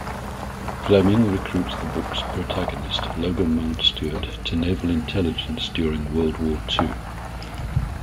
Fleming recruits the book's protagonist, Logan Mountstuart, to naval intelligence during World War Two.